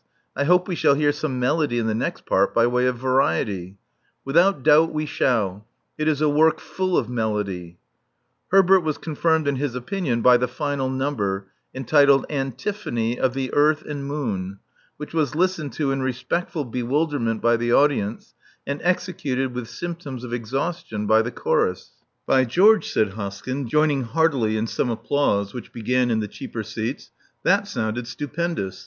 I hope we shall hear some melody in the next part, by way of variety. *' "Without doubt we shall. It is a work full of melody." Herbert was confirmed in his opinion by the final number, entitled, Antiphony of the Earth and Moon," which was listened to in respectful bewilder ment by the audience, and executed with symptoms of exhaustion by the chorus. 320 Love Among the Artists *'By George," said Hoskyn, joining heartily in some applause which began in the cheaper seats, "that sounded stupendous.